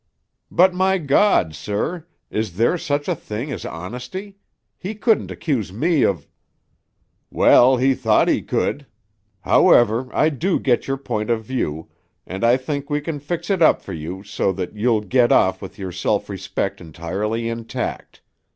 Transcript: "But, my God, sir! Is there such a thing as honesty? He couldn't accuse me of " "Well, he thought he could. However, I do get your point of view and I think we can fix it up for you so that you'll get off with your self respect entirely intact.